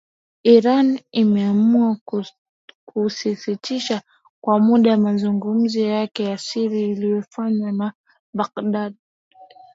Iran imeamua kusitisha kwa muda mazungumzo yake ya siri yaliyofanywa na Baghdad